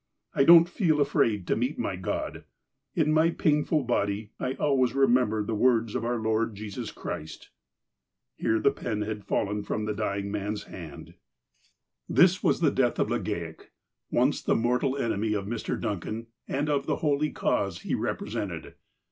f d'on't f^S afra d to meet my God, In my painful body I always remem ber the words of our Lord Jesus Christ '' Here the pen had fallen from the dying man's hand. 164 THE APOSTLE OF ALASKA This was the death of Legale, once the mortal enemy of Mr. Duncan, and of the holy cause he represented.